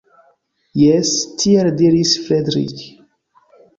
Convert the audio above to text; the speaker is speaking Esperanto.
Jes, tiel diris Fredrik!